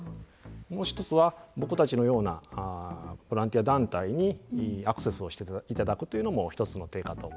もう一つは僕たちのようなボランティア団体にアクセスをして頂くというのも一つの手かと思います。